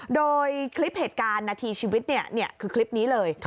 โดยคลิปเหตุการณ์นาทีชีวิตคือคลิปนี้เลย